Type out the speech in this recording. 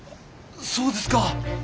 そうですか！